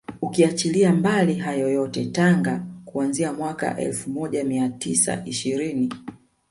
Ukiachilia mbali hayo yote Tanga kuanzia mwaka elfu moja mia tisa ishirini